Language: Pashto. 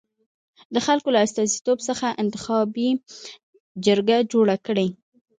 د خلکو له استازیو څخه انتخابي جرګه جوړه کړي.